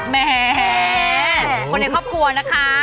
แหมคนในครอบครัวนะคะ